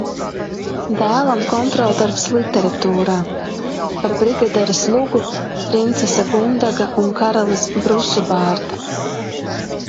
Dēlam kontroldarbs literatūrā. Par Brigaderes lugu "Princese Gundega un karalis Brusubārda".